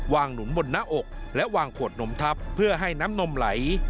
หนุนบนหน้าอกและวางขวดนมทับเพื่อให้น้ำนมไหล